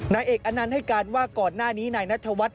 นายเอกอนันต์ให้การว่าก่อนหน้านี้นายนัทวัฒน